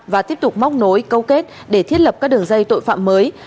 và tiếp tục móc nối câu kết để thiết lập các đường dây tội phạm mới